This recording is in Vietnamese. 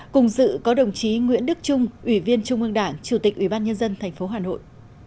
cùng dự có đồng chí nguyễn đức trung ủy viên trung ương đảng chủ tịch ủy ban nhân dân tp hà nội